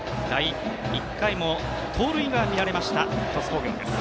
１回も盗塁が見られました鳥栖工業。